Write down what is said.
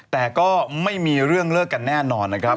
แต่ก็ไม่มีเรื่องเลิกกันแน่นอนนะครับ